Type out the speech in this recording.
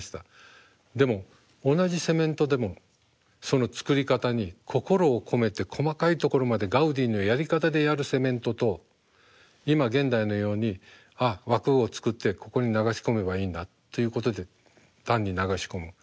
でも同じセメントでもその作り方に心を込めて細かいところまでガウディのやり方でやるセメントと今現代のように枠を作ってここに流し込めばいいんだということで単に流し込む。